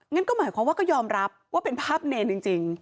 งั้นก็หมายความว่าก็ยอมรับว่าเป็นภาพเนรจริง